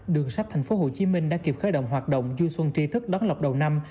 đường sách thành phố hồ chí minh đã kịp khởi động hoạt động du xuân tri thức đón lọc đầu năm